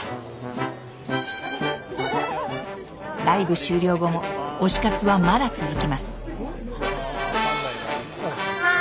ライブ終了後も推し活はまだ続きます。